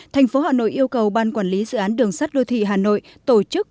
thành phố hà nội yêu cầu ban quản lý dự án đường sắt đô thị hà nội tổ chức